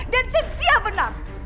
dan sintia benar